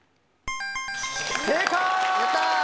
正解！